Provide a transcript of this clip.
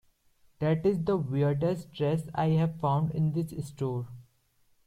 That is the weirdest dress I have found in this store.